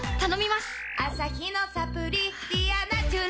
アサヒのサプリ「ディアナチュラ」